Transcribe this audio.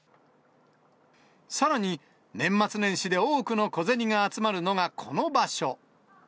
さらに、年末年始で多くの小銭が集まるのがこの場所。